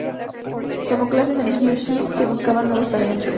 Tomó clases con Eartha Kitt, que buscaba nuevos talentos.